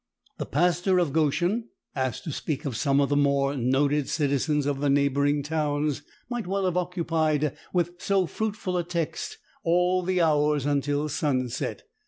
The pastor of Goshen, asked to speak of some of the more noted citizens of the neighboring towns, might well have occupied with so fruitful a text all the hours until sunset.